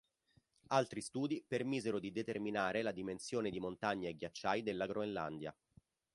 Altri studi permisero di determinare la dimensione di montagne e ghiacciai della Groenlandia.